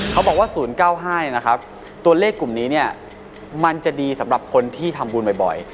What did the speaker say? เขาบอกว่า๐๙๕ตัวเลขกลุ่มนี้มันจะดีสำหรับคนที่ทำบุญบ่อย